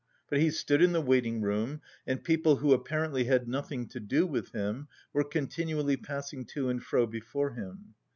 But he stood in the waiting room, and people, who apparently had nothing to do with him, were continually passing to and fro before him.